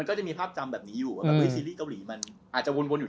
มันก็จะมีภาพจำแบบนี้อยู่